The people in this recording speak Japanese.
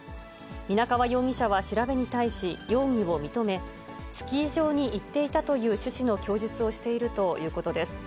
皆川容疑者は調べに対し、容疑を認め、スキー場に行っていたという趣旨の供述をしているということです。